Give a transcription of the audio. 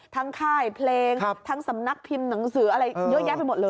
ค่ายเพลงทั้งสำนักพิมพ์หนังสืออะไรเยอะแยะไปหมดเลย